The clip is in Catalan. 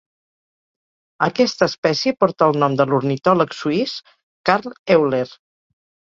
Aquesta espècie porta el nom de l'ornitòleg suís Carl Euler.